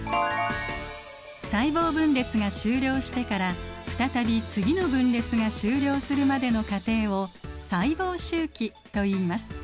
細胞分裂が終了してから再び次の分裂が終了するまでの過程を細胞周期といいます。